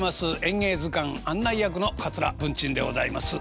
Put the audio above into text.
「演芸図鑑」案内役の桂文珍でございます。